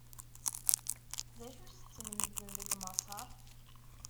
D acu setten medden deg Maṣer?